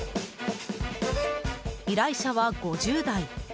依頼者は５０代。